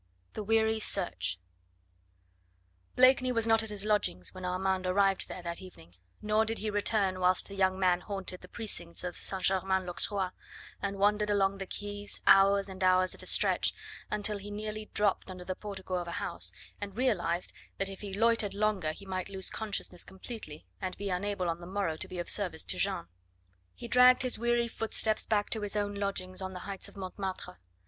THE WEARY SEARCH Blakeney was not at his lodgings when Armand arrived there that evening, nor did he return, whilst the young man haunted the precincts of St. Germain l'Auxerrois and wandered along the quays hours and hours at a stretch, until he nearly dropped under the portico of a house, and realised that if he loitered longer he might lose consciousness completely, and be unable on the morrow to be of service to Jeanne. He dragged his weary footsteps back to his own lodgings on the heights of Montmartre.